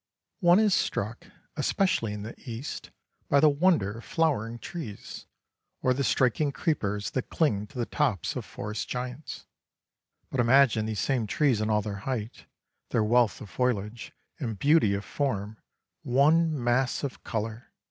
One is struck, especially in the East, by the wonder of flowering trees, or the striking creepers that cling to the tops of forest giants; but imagine these same trees in all their height, their wealth of foliage, and beauty of form, one mass of colour!